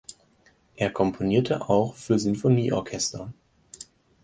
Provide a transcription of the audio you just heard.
Er komponierte auch für Sinfonieorchester.